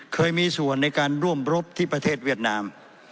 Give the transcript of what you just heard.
เคยมีส่วนในการร่วมรบที่ประเทศเวียดนาม